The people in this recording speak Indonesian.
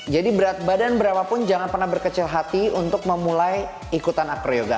jadi berat badan berapapun jangan pernah berkecil hati untuk memulai ikutan acroyoga